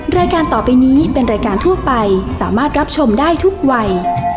รายการต่อไปนี้เป็นรายการทั่วไปสามารถรับชมได้ทุกวัย